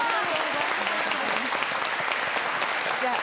じゃあ。